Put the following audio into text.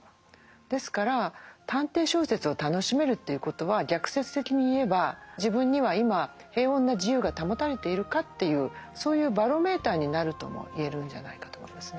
ですから探偵小説を楽しめるということは逆説的に言えば自分には今平穏な自由が保たれているかというそういうバロメーターになるとも言えるんじゃないかと思いますね。